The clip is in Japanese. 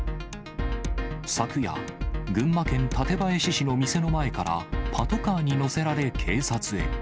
昨夜、群馬県館林市の店の前からパトカーに乗せられ、警察へ。